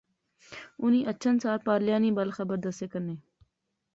انی اچھن سار پارلیاں نی بل خیر دسے کنے